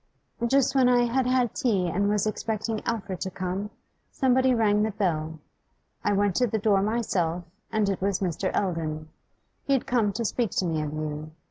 'Just when I had had tea and was expecting Alfred to come, somebody rang the bell. I went to the door myself, and it was Mr. Eldon. He had come to speak to me of you.